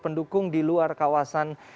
pendukung di luar kawasan